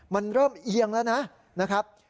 มันเริ่มเอียงแล้วนะครับ